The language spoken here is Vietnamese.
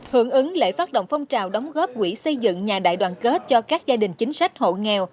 hưởng ứng lễ phát động phong trào đóng góp quỹ xây dựng nhà đại đoàn kết cho các gia đình chính sách hộ nghèo